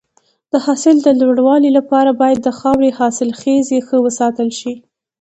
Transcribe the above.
د حاصل د لوړوالي لپاره باید د خاورې حاصلخیزي ښه وساتل شي.